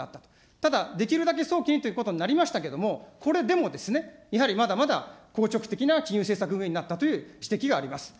ただ、できるだけ早期にということになりましたけれども、これでもですね、やはりまだまだ硬直的な金融政策になったという指摘があります。